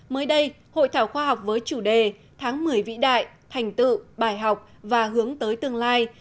mới đây hội thảo khoa học với chủ đề tháng một mươi vĩ đại thành tựu bài học và hướng tới tương lai